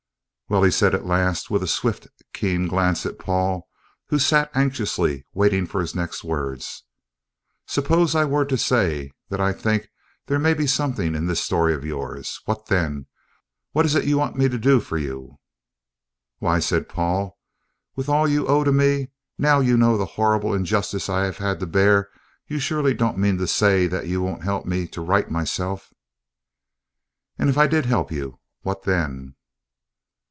"Well," he said at last, with a swift, keen glance at Paul, who sat anxiously waiting for his next words; "suppose I were to say that I think there may be something in this story of yours, what then? What is it you want me to do for you?" "Why," said Paul, "with all you owe to me, now you know the horrible injustice I have had to bear, you surely don't mean to say that you won't help me to right myself?" "And if I did help you, what then?"